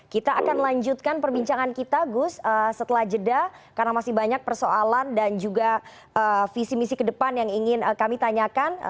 kita akan lanjutkan perbincangan kita gus setelah jeda karena masih banyak persoalan dan juga visi misi ke depan yang ingin kami tanyakan